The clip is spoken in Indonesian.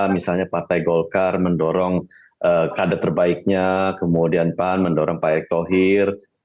misalnya partai golkar mendorong kader terbaiknya kemudian pan mendorong pak erick thohir